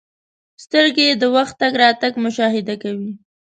• سترګې د وخت تګ راتګ مشاهده کوي.